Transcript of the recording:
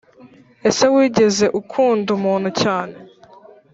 Ese wigeze ukundu umuntu cyane